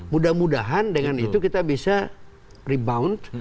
mudah mudahan dengan itu kita bisa rebound